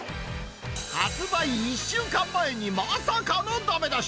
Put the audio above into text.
発売１週間前にまさかのだめだし。